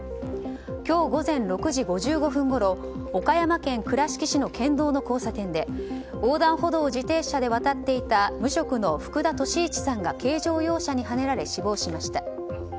今日午前６時５５分ごろ岡山県倉敷市の県道の交差点で横断歩道を自転車で渡っていた無職の福田敏市さんが軽乗用車にはねられ死亡しました。